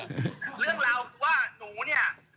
เรื่องราวคือว่าหนูเนี่ย